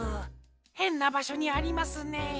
へんなばしょにありますね。